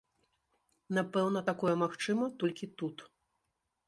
Напэўна, такое магчыма толькі тут.